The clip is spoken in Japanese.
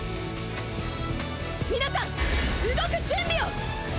皆さん動く準備を！